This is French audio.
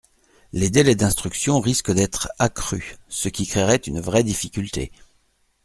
Les délais d’instruction risquent d’être accrus, ce qui créerait une vraie difficulté.